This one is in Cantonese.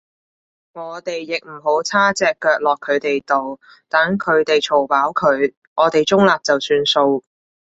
我哋亦唔好叉隻腳落佢哋度，就等佢哋嘈飽佢，我哋中立就算數